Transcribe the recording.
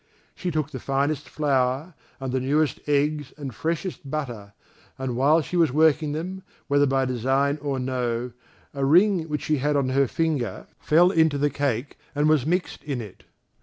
She took the finest flour, and newest eggs and freshest butter, and while she was working them, whether by design or no, a ring which she had on her finger fell into the cake and was mixed in it.